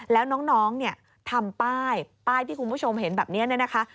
แล้วน้องทำป้ายป้ายที่คุณผู้ชมเห็นแบบนี้นะคะ